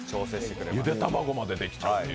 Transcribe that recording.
ゆで卵までできちゃうという。